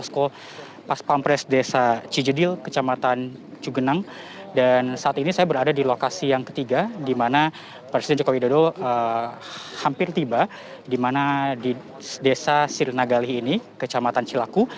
saya di cigenang dan saat ini saya berada di lokasi yang ketiga di mana presiden joko widodo hampir tiba di desa sirinagali ini kecamatan cilaku